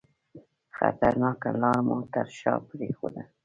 خطرناکه لار مو تر شاه پرېښوده.